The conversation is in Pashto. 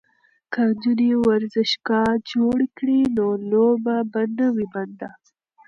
که نجونې ورزشگاه جوړ کړي نو لوبه به نه وي بنده.